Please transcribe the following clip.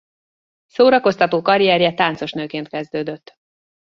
Szórakoztató karrierje táncosnőként kezdődött.